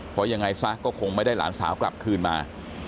เพราะยังไงซะก็คงไม่ได้หลานสาวกลับคืนมา